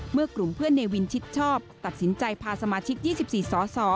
เมื่อกลุ่มเพื่อนเนวินชิดชอบตัดสินใจพาสมาชิก๒๔สส